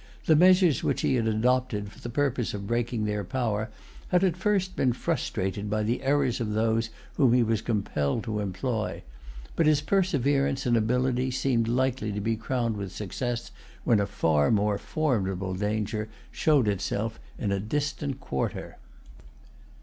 The measures which he had adopted for the purpose of breaking their power had at first been frustrated by the errors of those whom he was compelled to employ; but his perseverance and ability seemed likely to be crowned with success, when a far more formidable danger showed itself in a distant quarter.